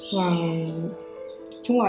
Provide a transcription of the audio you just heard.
nói chung là